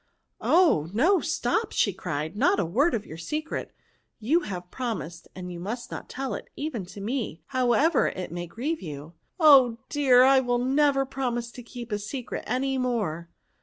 " Oh ! no, stop," she cried, " not a word of your secret ; you have promised, and must not tell it, even to me, however it may grieve you." " Oh dear ! I will never promise to keep a secret any more."